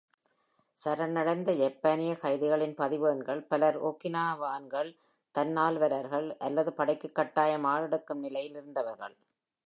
சரணடைந்த ஜப்பானிய கைதிகளின் பதிவு எண்கள்; பலர் ஒகினாவான் தன்னார்வலர்கள் அல்லது படைக்குக் கட்டாயம் ஆளெடுக்கும் நிலையில் இருந்தவர்கள்.